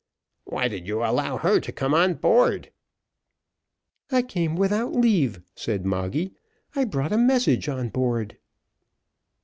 "Why did you allow her to come on board?" "I came without leave," said Moggy. "I brought a message on board."